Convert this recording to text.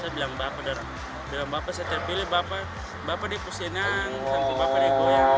saya bilang bapak darah bapak saya terpilih bapak bapak di pusenang bapak di goyang